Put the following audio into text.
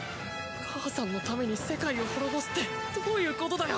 母さんのために世界を滅ぼすってどういうことだよ。